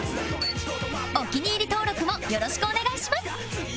お気に入り登録もよろしくお願いします